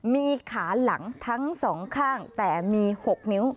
มีขาหลังทั้งสองข้างแต่มี๖นิ้ว